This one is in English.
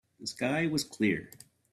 The sky was clear.